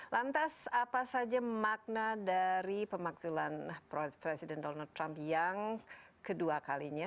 lantas apa saja makna dari pemakzulan presiden donald trump yang kedua kalinya